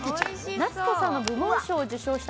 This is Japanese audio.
夏子さんの部門賞を受賞しました